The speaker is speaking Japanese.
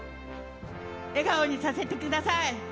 笑顔にさせてください。